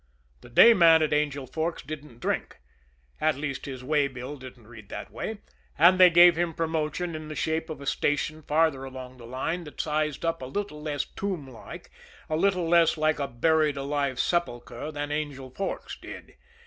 The day man at Angel Forks didn't drink at least his way bill didn't read that way and they gave him promotion in the shape of a station farther along the line that sized up a little less tomb like, a little less like a buried alive sepulcher than Angel Forks did.